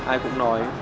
ai cũng nói